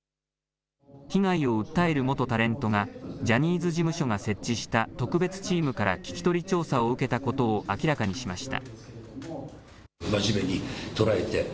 被害を訴える元タレントが、ジャニーズ事務所が設置した特別チームから聞き取り調査を受けたことを明らかにしました。